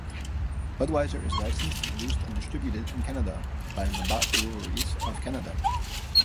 Budweiser is licensed, produced and distributed in Canada by Labatt Breweries of Canada.